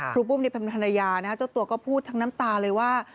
ครูปุ้มในคำถามทนาศาสตร์นะฮะเจ้าตัวก็พูดทั้งน้ำตาเลยว่า